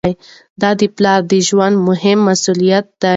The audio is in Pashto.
دا د پلار د ژوند مهم مسؤلیت دی.